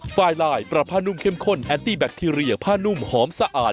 ไฟลายปรับผ้านุ่มเข้มข้นแอนตี้แบคทีเรียผ้านุ่มหอมสะอาด